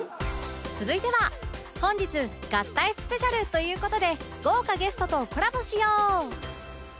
続いては本日合体スペシャルという事で豪華ゲストとコラボしよう！